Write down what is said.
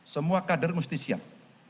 semua kader mesti siap